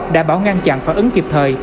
đã bảo ngăn chặn phản ứng kịp thời